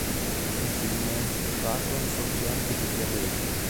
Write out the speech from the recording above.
Infine, Vachon soffre anche di diabete.